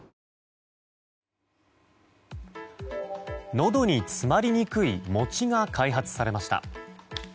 のどに詰まりにくい餅が開発されました。